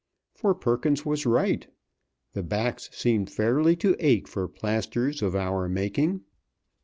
For Perkins was right. The backs seemed fairly to ache for plasters of our making.